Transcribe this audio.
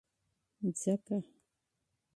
ځکه